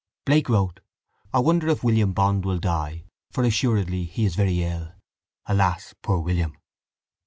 Blake wrote: I wonder if William Bond will die For assuredly he is very ill. Alas, poor William!